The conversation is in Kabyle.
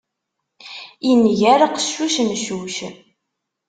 Inger qeccuc, meccuc.